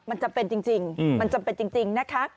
มันจำเป็นจริงนะคะ